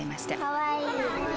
かわいい。